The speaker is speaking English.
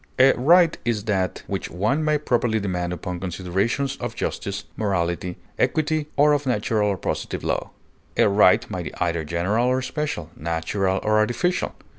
A right is that which one may properly demand upon considerations of justice, morality, equity, or of natural or positive law. A right may be either general or special, natural or artificial.